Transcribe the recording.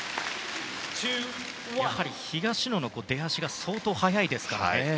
やはり東野の出足が相当速いですからね。